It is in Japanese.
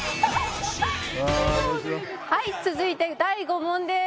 「はい続いて第５問です」